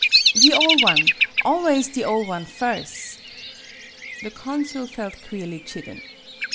"The oleone always the ole one firs'." The consul felt queerly chidden.